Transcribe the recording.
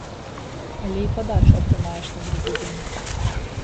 Але і падачу атрымаеш на другі дзень.